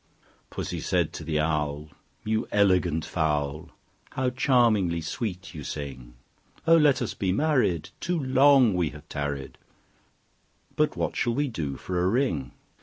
II. Pussy said to the Owl, "You elegant fowl, How charmingly sweet you sing! Oh! let us be married; too long we have tarried: But what shall we do for a ring?"